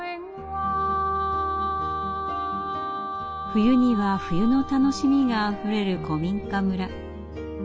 冬には冬の楽しみがあふれる古民家村。